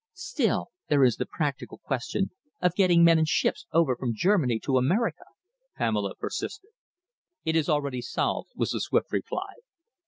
"Still, there is the practical question of getting men and ships over from Germany to America," Pamela persisted. "It is already solved," was the swift reply.